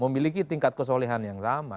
memiliki tingkat kesolehan yang sama